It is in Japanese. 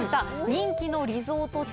人気のリゾート地・